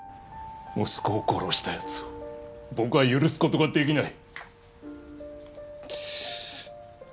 息子を殺したやつを僕は許すことができない。